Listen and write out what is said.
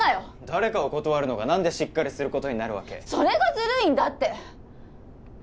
誰かを断るのが何でしっかりすることになるわけそれがずるいんだって！